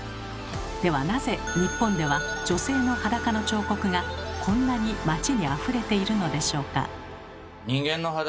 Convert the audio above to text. ではなぜ日本では女性の裸の彫刻がこんなに街にあふれているのでしょうか？